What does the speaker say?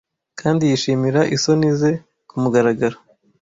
Kandi yishimira isoni ze kumugaragaro,